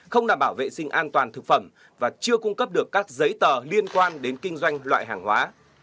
không đảm bảo vệ sinh an toàn thực phẩm và chưa cung cấp được các giấy tờ liên quan đến kinh doanh loại hàng hóa